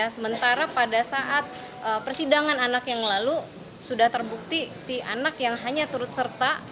sementara pada saat persidangan anak yang lalu sudah terbukti si anak yang hanya turut serta